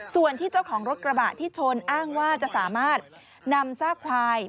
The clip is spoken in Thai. ส่วนที่เจ้าของรถกระบะที่ชนอ้างว่าจะสามารถนำซากควาย